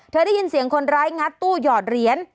ได้ยินเสียงคนร้ายงัดตู้หยอดเหรียญ